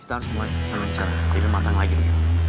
kita harus mulai susah mencari jadi matang lagi